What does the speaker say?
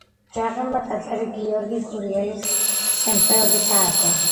ჯაყელმა ტაძარი გიორგი გურიელის შემწეობით ააგო.